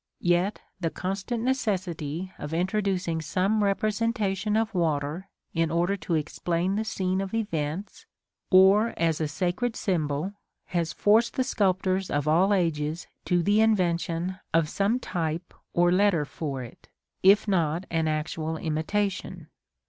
Yet the constant necessity of introducing some representation of water in order to explain the scene of events, or as a sacred symbol, has forced the sculptors of all ages to the invention of some type or letter for it, if not an actual imitation.